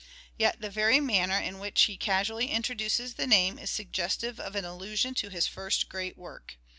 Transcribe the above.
Yet the very manner in which he casually introduces the name is suggestive of an allusion to his first great work.